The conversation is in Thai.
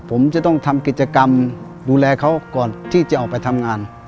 ผมจะต้องทำกิจกรรมดูแลเขาก่อนที่จะออกไปทำงาน